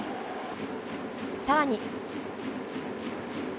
さらに。